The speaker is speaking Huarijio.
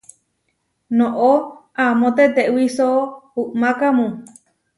Noʼó amó tetewíso uʼmákamu.